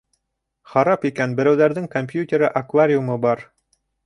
Харап икән, берәүҙәрҙең компьютеры, аквариумы бар...